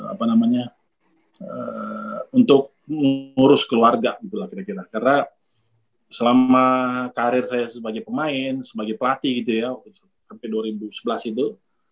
apa namanya untuk mengurus keluarga gitu lah kira kira karena selama karir saya sebagai pemain sebagai pelatih gitu ya sampai dua ribu sebelas itu